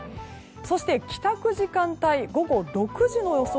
そして帰宅時間帯午後６時の予想